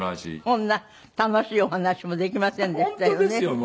こんな楽しいお話もできませんでしたよね。